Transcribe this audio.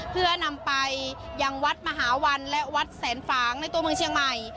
เพื่อนำไปยังวัดมหาวันและวัดแสนฝางในตัวเมืองเชียงใหม่